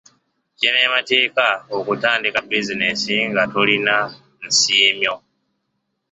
Kimenya mateeka okutandika bizineesi nga tolina nsiimyo?